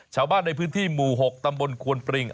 ชาวบ้านในพื้นที่หมู่๖ตำบลควนปริง